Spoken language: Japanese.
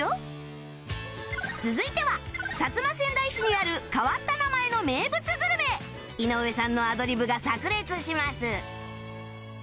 続いては薩摩川内市にある変わった名前の名物グルメ井上さんのアドリブが炸裂します